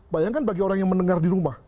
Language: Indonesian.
bayangkan bagi orang yang mendengar di rumah